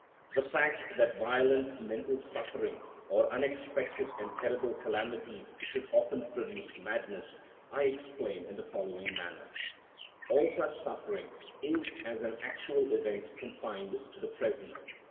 The fact that violent mental suffering or unexpected and terrible calamities should often produce madness, I explain in the following manner. All such suffering is as an actual event confined to the present.